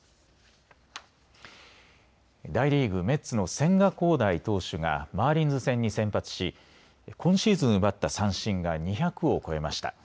大リーグ、メッツの千賀滉大投手がマーリンズ戦に先発し今シーズン奪った三振が２００を超えました。